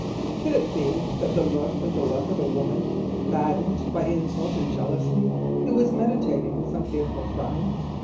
Could it be that the look was the look of a woman maddened by insult and jealousy, who was meditating some fearful crime?